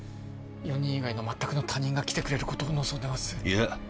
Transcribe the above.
４人以外の全くの他人が来てくれることを望んでますいや